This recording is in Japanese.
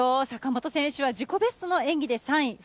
坂本選手は自己ベストの演技で３位。